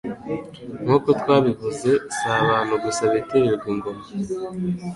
Nkuko twabivuze, si abantu gusa bitirirwa ingoma